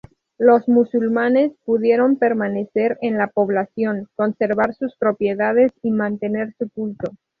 Los musulmanes pudieron permanecer en la población, conservar sus propiedades y mantener su culto.